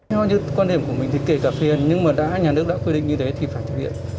nói như quan điểm của mình thì kể cả phiền nhưng mà nhà nước đã quyết định như thế thì phải thực hiện